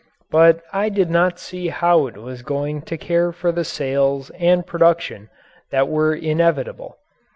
But I did not see how it was going to care for the sales and production that were inevitable.